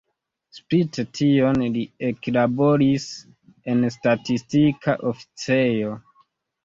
Spite tion li eklaboris en statistika oficejo.